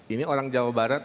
ini orang jawa barat